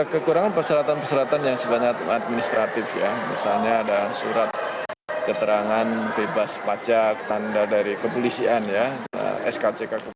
kekurangan persyaratan persyaratan yang sebenarnya administratif ya misalnya ada surat keterangan bebas pajak tanda dari kepolisian ya skck